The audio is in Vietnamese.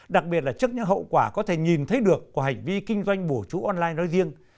đặc biệt là trước những hậu quả có thể nhìn thấy được của hành vi kinh doanh bùa chú online nói riêng